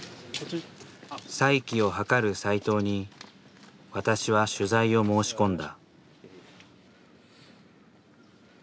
再起を図る斎藤に私は取材を申し込んだ。